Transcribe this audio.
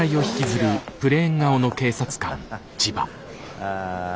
ああ。